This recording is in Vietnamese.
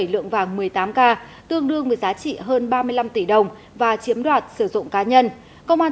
lượng vàng một mươi tám k tương đương với giá trị hơn ba mươi năm tỷ đồng và chiếm đoạt sử dụng cá nhân công an